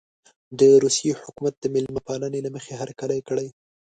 د روسیې حکومت د مېلمه پالنې له مخې هرکلی کړی.